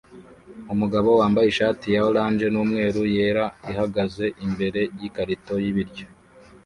Umugabo wambaye ishati ya orange n'umweru yera ihagaze imbere yikarito y'ibiryo